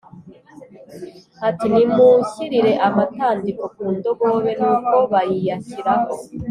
ati “Nimunshyirire amatandiko ku ndogobe” Nuko bayiyashyiraho